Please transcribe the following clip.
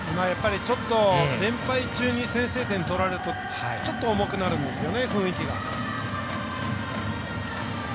ちょっと連敗中に先制点取られるとちょっと重くなるんですよね雰囲気が。